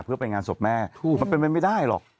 เพื่อไปงานศพแม่มันเป็นไปไม่ได้หรอก